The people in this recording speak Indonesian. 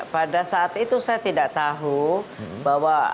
pada saat itu saya tidak tahu bahwa apa maksudnya